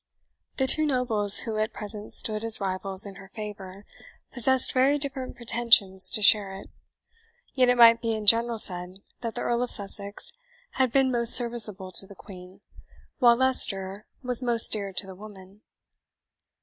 The two nobles who at present stood as rivals in her favour possessed very different pretensions to share it; yet it might be in general said that the Earl of Sussex had been most serviceable to the Queen, while Leicester was most dear to the woman.